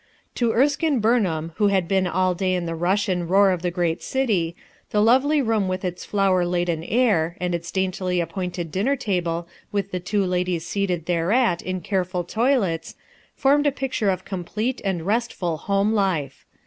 To Ersklne Burnham who had been all day the rush and roar of the great city, the lovely with its flower laden air, and its daintily appointed dinner table with the two ladies seated thereat in careful toilets, formed a picture of complete and restful home life.